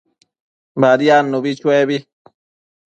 Badiadnubi chuebi